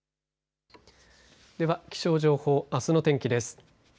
では気象情報、あすの天気です。